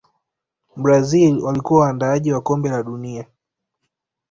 brazil walikuwa waandaaji wa kombe la dunia